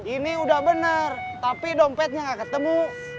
ini udah benar tapi dompetnya gak ketemu